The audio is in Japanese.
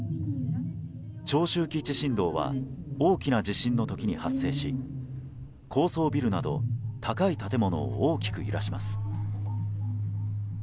長周期地震動は大きな地震の時に発生し高層ビルなど高い建物を大きく揺らします。